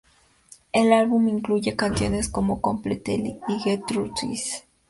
El álbum incluye canciones como "Completely" y "Get Thru This".